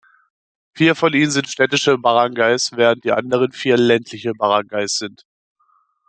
Vier von ihnen sind städtische Barangays, während die anderen vier ländliche Barangays sind.